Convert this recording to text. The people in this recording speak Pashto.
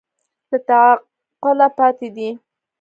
له تعقله پاتې دي